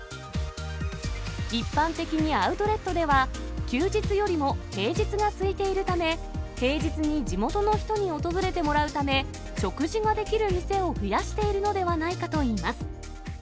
一般的にアウトレットでは、休日よりも平日がすいているため、平日に地元の人に訪れてもらうため、食事ができる店を増やしているのではないかといいます。